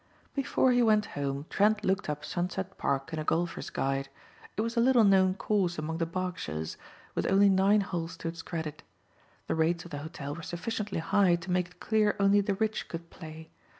Before he went home Trent looked up Sunset Park in a golfer's guide. It was a little known course among the Berkshires, with only nine holes to its credit. The rates of the hotel were sufficiently high to make it clear only the rich could play.